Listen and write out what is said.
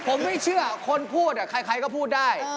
ผมไม่เชื่อคนพูดใครก็พูดได้